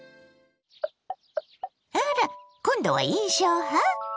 あら！今度は印象派？